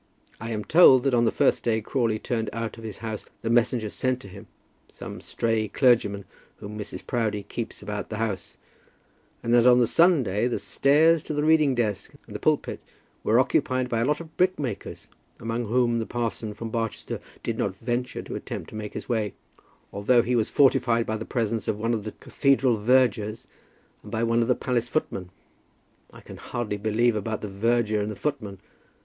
I am told that on the first day Crawley turned out of his house the messenger sent to him, some stray clergyman whom Mrs. Proudie keeps about the house; and that on the Sunday the stairs to the reading desk and pulpit were occupied by a lot of brickmakers, among whom the parson from Barchester did not venture to attempt to make his way, although he was fortified by the presence of one of the cathedral vergers and by one of the palace footmen. I can hardly believe about the verger and the footman.